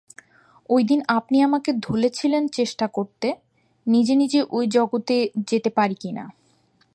ঐদিন আপনি আমাকে ধলেছিলেন চেষ্টা করতে, নিজে-নিজে ঐ জগতে যেতে পারি কি না।